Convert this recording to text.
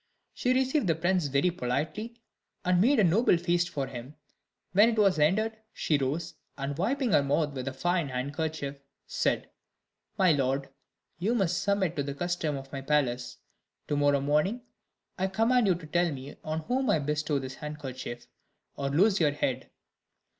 She received the prince very politely, and made a noble feast for him: when it was ended, she rose, and, wiping her mouth with a fine handkerchief, said, "My lord, you must submit to the custom of my palace; to morrow morning I command you to tell me on whom I bestow this handkerchief, or lose your head."